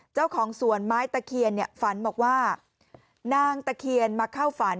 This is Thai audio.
เจ้าของสวนไม้ตะเคียนเนี่ยฝันบอกว่านางตะเคียนมาเข้าฝัน